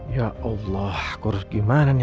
ya allah aku harus gimana nih